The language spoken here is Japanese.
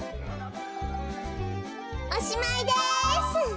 おしまいです！